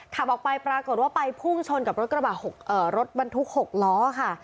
ขับออกไปปรากฏว่าไปพุ่งชนกับรถกระบะรถบรรทุก๖ล้อค่ะ